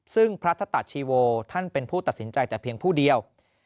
ซึ่งพระธตะชีโวท่านเป็นผู้ตัดสินใจแต่เพียงผู้เดียว